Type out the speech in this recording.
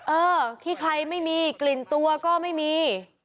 เออขี้ใครไม่มีกลิ่นตัวก็ไม่มี